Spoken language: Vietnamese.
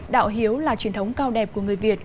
đạo hiếu là truyền thống cao đẹp của người việt